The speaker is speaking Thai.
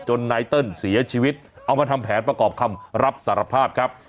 นายเติ้ลเสียชีวิตเอามาทำแผนประกอบคำรับสารภาพครับ